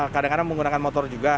kadang kadang menggunakan motor juga